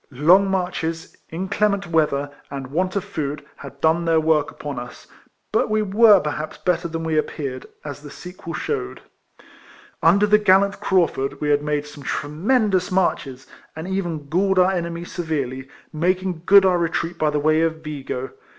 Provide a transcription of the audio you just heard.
Long marches, inclement weather, and want of food, had done their work upon us; but we w^ere perhaps better than we appeared, as the sequel shewed. Under the gallant Crauftird we had made some tremendous marches, and even galled our enemies severely, making good our retreat by the way of Vigo.